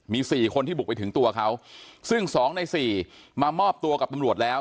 มี๔คนที่บุกไปถึงตัวเขาซึ่งสองในสี่มามอบตัวกับตำรวจแล้ว